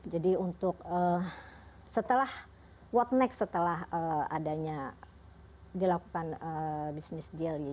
jadi untuk setelah what next setelah adanya dilakukan business deal ya